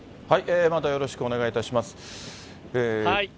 またよろしくお願いいたします。